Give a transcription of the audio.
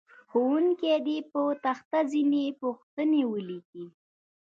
ښوونکی دې په تخته ځینې پوښتنې ولیکي.